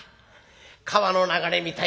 川の流れみたいで。